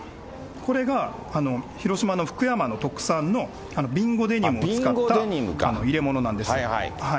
これが広島の福山の特産の備後デニムを使った入れ物なんです。